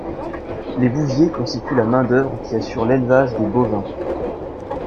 Les bouviers constituent la main d’œuvre qui assure l’élevage des bovins.